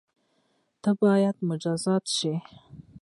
ته بايد مجازات شی